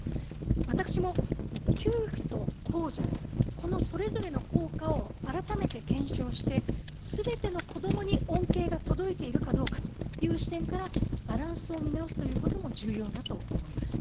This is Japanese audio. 私も給付と控除、このそれぞれの効果を改めて検証して、すべてのこどもに恩恵が届いているかどうかという視点から、バランスを見直すということも重要だと思います。